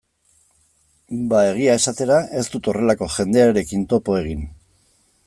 Ba, egia esatera, ez dut horrelako jendearekin topo egin.